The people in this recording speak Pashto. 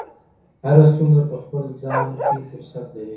هره ستونزه په خپل ځان کې فرصت لري.